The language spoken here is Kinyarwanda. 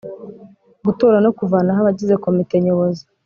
Gutora no kuvanaho abagize komite Nyobozi